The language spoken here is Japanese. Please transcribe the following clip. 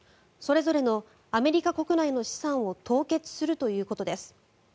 それぞれのアメリカ国内の資産を凍結するということです。